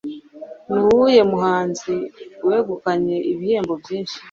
Nuwuhe muhanzi wegukanye ibihembo byinshi